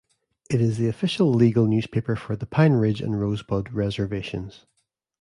It is the official legal newspaper for the Pine Ridge and Rosebud reservations.